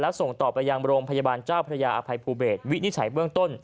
และส่งตอบไปยังโรงพยาบาลเจ้าพุทธพิเศษอภัยพูเบต